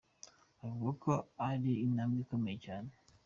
Avuga ko ari intambwe ikomeye cyane.